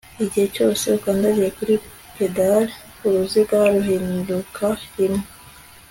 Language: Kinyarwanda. igihe cyose ukandagiye kuri pedal, uruziga ruhinduka rimwe